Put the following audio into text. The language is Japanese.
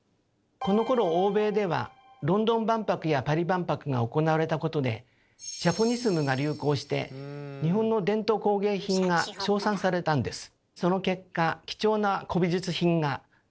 このころ欧米ではロンドン万博やパリ万博が行われたことで「ジャポニスム」が流行して日本の伝統工芸品が称賛されたんです。